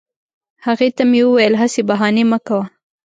هغې ته مې وویل هسي بهانې مه کوه